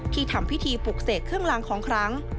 ที่ทำพิธีปลูกเสกเครื่องรางของขลัง